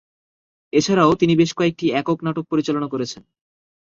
এছাড়াও তিনি বেশ কয়েকটি একক নাটক পরিচালনা করেছেন।